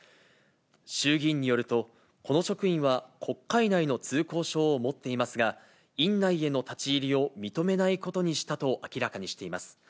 衆議院によると、この職員は国会内の通行証を持っていますが、院内への立ち入りを認めないことにしたと明らかにしています。